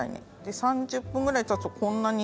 ３０分ぐらいたつと、こんなに。